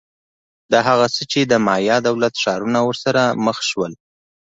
دا هغه څه چې د مایا دولت ښارونه ورسره مخ شول